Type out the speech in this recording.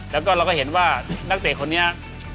แล้วก็เราก็เห็นว่านักเตะคนนี้